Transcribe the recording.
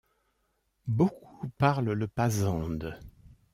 Beaucoup parlent le pazande.